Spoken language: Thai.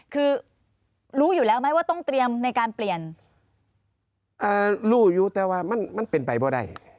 คือรู้อยู่แล้วไหมว่าต้องเตรียมในการเปลี่ยนรูอยู่แต่ว่ามันเป็นไปเพราะได้